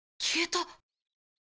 消えた。